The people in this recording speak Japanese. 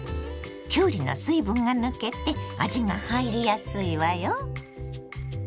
きゅうりの水分が抜けて味が入りやすいわよ。